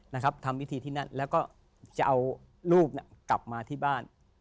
นะครับทำวิธีที่นั่นแล้วก็จะเอาลูกกลับมาที่บ้าน